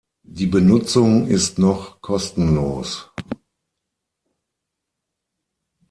Die Benutzung ist noch kostenlos.